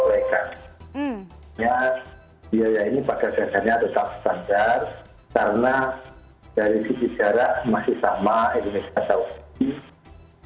biaya ini pada dasarnya tetap standar karena dari sisi jarak masih sama indonesia saudi